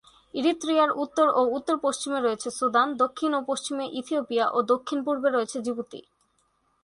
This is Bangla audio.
ইরিত্রিয়ার উত্তর ও উত্তর-পশ্চিমে রয়েছে সুদান, দক্ষিণ ও পশ্চিমে ইথিওপিয়া ও দক্ষিণ-পূর্বে রয়েছে জিবুতি।